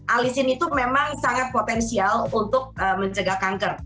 alisin itu memang sangat potensial untuk mencegah kanker